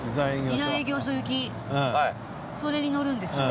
それに乗るんですよ。